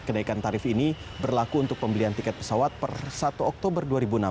kenaikan tarif ini berlaku untuk pembelian tiket pesawat per satu oktober dua ribu enam belas